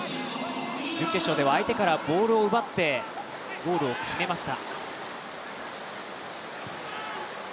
準決勝では相手からボールを奪ってゴールを決めました。